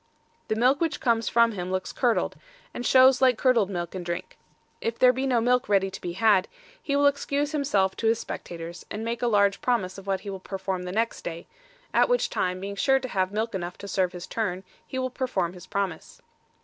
The milk which comes from him looks curdled, and shows like curdled milk and drink. If there be no milk ready to be had, he will excuse himself to his spectators, and make a large promise of what he will perform the next day, at which time being sure to have milk enough to serve his turn, he will perform his promise.